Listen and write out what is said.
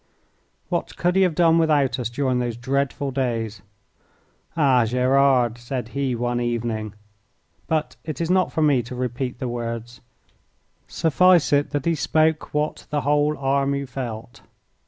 What could he have done without us during those dreadful days? "Ah, Gerard," said he one evening but it is not for me to repeat the words. Suffice it that he spoke what the whole army felt.